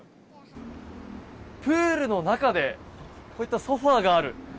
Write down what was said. プールの中でこういったソファがある。